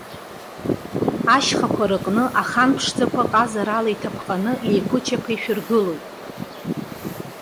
Ашьхақәа рыҟны, ахан ԥшӡақәа ҟазарала иҭаԥҟаны, иеиқәычаԥа ишәыргылоит.